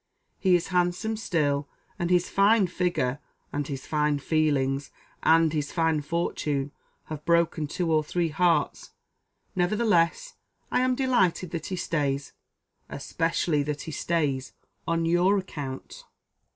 He is handsome still, and his fine figure, and his fine feelings, and his fine fortune, have broken two or three hearts; nevertheless I am delighted that he stays, especially that he stays on your account."